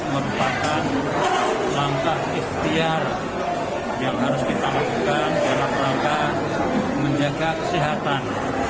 merupakan langkah ikhtiar yang harus kita lakukan dalam rangka menjaga kesehatan